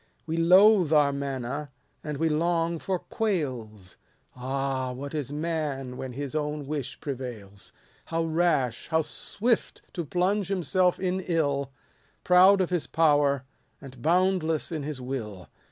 130 We loathe our manna, and we long for quails ; Ah, what is man when his own wish prevails ! How rash, how swift to plunge himself in ill ! Proud of his power, and boundless in his will